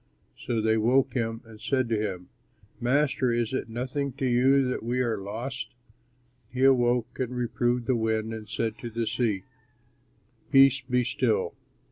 So they woke him and said to him, "Master, is it nothing to you that we are lost?" And he awoke and reproved the wind, and said to the sea, "Peace, be still!"